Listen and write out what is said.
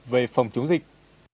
về phòng chống dịch